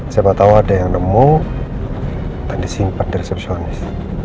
siapa tau ada yang nemu dan disimpan di resepsionis